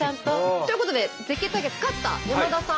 ということで絶景対決勝った山田さん